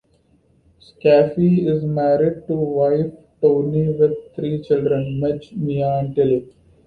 Skaife is married to wife Toni with three children: Mitch, Mia and Tilly.